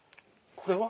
これは？